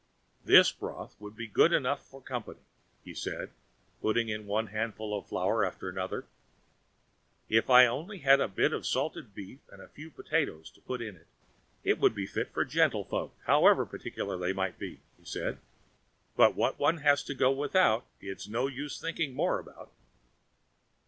"This broth would be good enough for company," he said, putting in one handful of flour after another. "If I had only a bit of salted beef and a few potatoes to put in, it would be fit for gentlefolks, however particular they might be," he said. "But what one has to go without, it's no use thinking more about."